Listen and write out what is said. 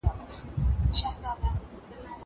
شهیدعبدالمنان ارغند